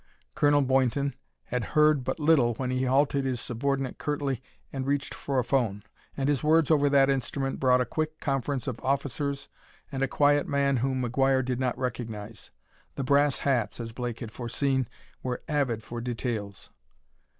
Colonel Boynton had heard but little when he halted his subordinate curtly and reached for a phone. And his words over that instrument brought a quick conference of officers and a quiet man whom McGuire did not recognize. The "brass hats," as Blake had foreseen, were avid for details.